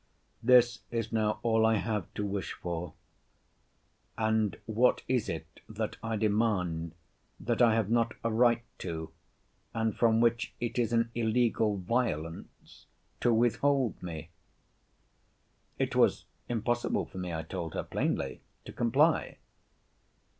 This is now all I have to wish for. And what is it that I demand, that I have not a right to, and from which it is an illegal violence to withhold me? It was impossible for me, I told her plainly, to comply.